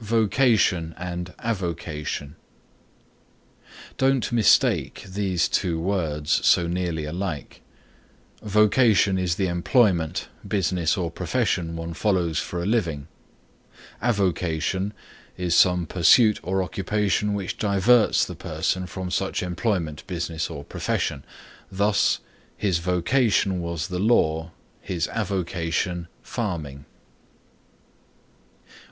VOCATION AND AVOCATION Don't mistake these two words so nearly alike. Vocation is the employment, business or profession one follows for a living; avocation is some pursuit or occupation which diverts the person from such employment, business or profession. Thus "His vocation was the law, his avocation, farming."